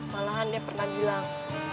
malahan dia pernah bilang